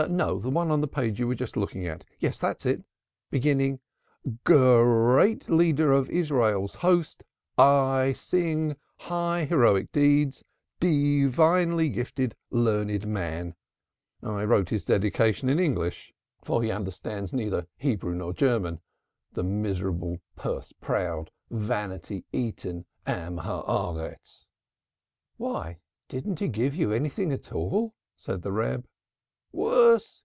No, the one on the page you were just looking at. Yes, that's it, beginning: "'Great leader of our Israel's host, I sing thy high heroic deeds, Divinely gifted learned man.' "I wrote his dedication in English, for he understands neither Hebrew nor German, the miserable, purse proud, vanity eaten Man of the Earth." "Why, didn't he give you anything at all?" said the Reb. "Worse!